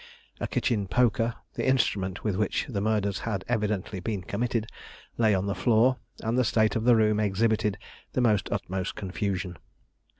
A kitchen poker, the instrument with which the murders had evidently been committed, lay on the floor, and the state of the room exhibited the utmost confusion.